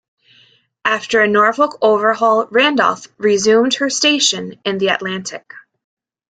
After a Norfolk overhaul, "Randolph" resumed her station in the Atlantic.